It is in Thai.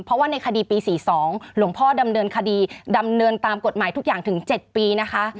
เพราะว่าในคดีปี๔๒หลวงพ่อดำเนินคดีดำเนินตามกฎหมายทุกอย่างถึง๗ปีนะคะ